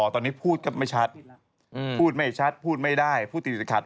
ตอนนี้พูดก็ไม่ชัดพูดไม่ชัดพูดไม่ได้พูดติดขัด